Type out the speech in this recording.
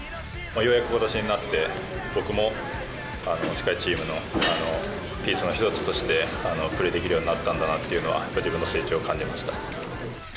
ようやくことしになって、僕もしっかりチームのピースの１つとしてプレーできるようになったんだなというのは、やっぱり自分の成長を感じました。